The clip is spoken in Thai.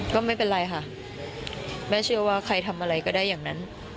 อยากให้เขามาขอขอบคุณค่ะ